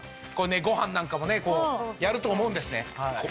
ご飯なんかもやると思うんですね。